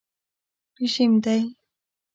رژیم دی.